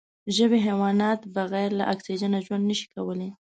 ژوندي حیوانات بغیر له اکسېجنه ژوند نشي کولای